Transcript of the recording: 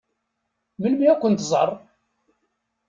Melmi ad kent-tẓeṛ?